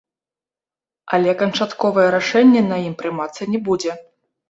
Але канчатковае рашэнне на ім прымацца не будзе.